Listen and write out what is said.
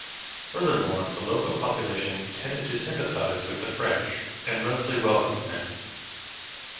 Furthermore, the local population tended to sympathise with the French, and mostly welcomed them.